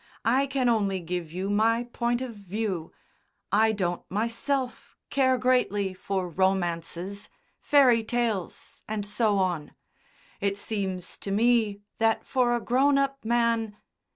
I can only give you my point of view. I don't myself care greatly for romances fairy tales and so on. It seems to me that for a grown up man....